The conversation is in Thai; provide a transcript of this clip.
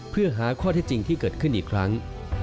เพื่อหาข้อเท็จจริงที่เกิดขึ้นอีกครั้ง